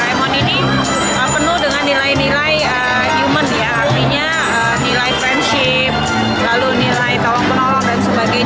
artinya nilai friendship nilai tolong tolong dan sebagainya itu banyak yang bisa diajakkan